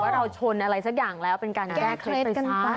เราชนอะไรสักอย่างแล้วเป็นการแก้เคล็ดไปซะ